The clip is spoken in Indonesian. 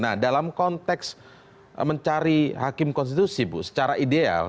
nah dalam konteks mencari hakim konstitusi bu secara ideal